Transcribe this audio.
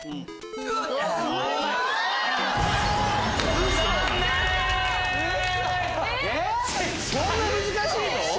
ウソ⁉そんな難しいの？